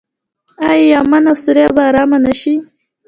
آیا یمن او سوریه به ارام نشي؟